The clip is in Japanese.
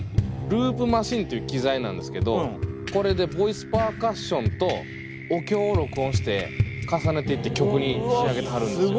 ループマシンっていう機材なんですけどこれでボイスパーカッションとお経を録音して重ねていって曲に仕上げてはるんですよ。